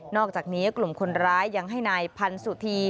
อกจากนี้กลุ่มคนร้ายยังให้นายพันสุธี